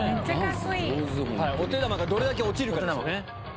お手玉がどれだけ落ちるかですよね。